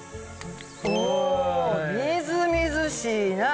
おみずみずしいな。